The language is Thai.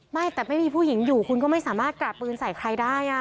ไม่แต่ไม่มีผู้หญิงอยู่คุณก็ไม่สามารถกราดปืนใส่ใครได้